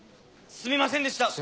すみませんでした。